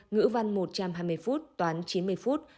ngữ văn một trăm hai mươi phút toán chín mươi phút